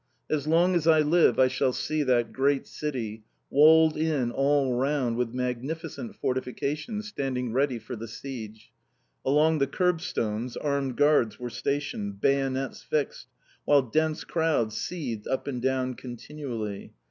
As long as I live I shall see that great city, walled in all round with magnificent fortifications, standing ready for the siege. Along the curbstones armed guards were stationed, bayonets fixed, while dense crowds seethed up and down continually.